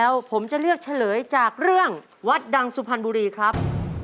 วัดดังสุพรรณบุรีครับ